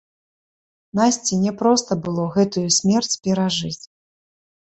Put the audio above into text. Насці няпроста было гэтую смерць перажыць.